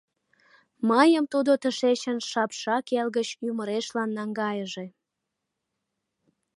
Мыйым тудо тышечын, шапшак эл гыч, ӱмырешлан наҥгайыже...